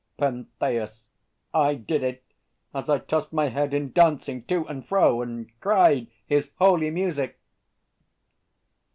PENTHEUS. I did it, as I tossed My head in dancing, to and fro, and cried His holy music!